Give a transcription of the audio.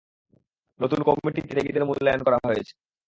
নতুন কমিটিতে ত্যাগীদের মূল্যায়ন করা হয়েছে।